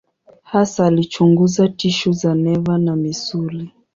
Hasa alichunguza tishu za neva na misuli.